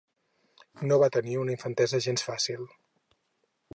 No va tenir una infantesa gens fàcil.